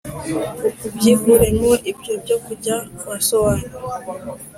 ubyikuremo ibyo byo kujya kwa so wanyu?